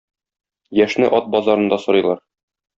Яшьне ат базарында сорыйлар.